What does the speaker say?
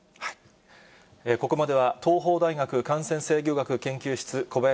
ここまでは、東邦大学感染制御学研究室、小林寅